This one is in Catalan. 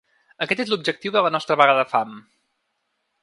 Aquest és l’objectiu de la nostra vaga de fam.